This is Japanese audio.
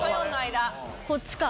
こっちか？